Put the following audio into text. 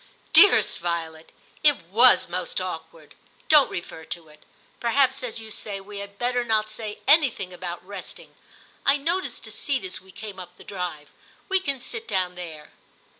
* Dearest Violet, it was most awkward ; don't refer to it. Perhaps, as you say, we had better not say anything about resting. I noticed a seat as we came up the drive; we can sit down there.'